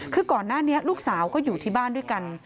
คือก่อนหน้านี้ลูกสาวก็อยู่ที่บ้านด้วยกัน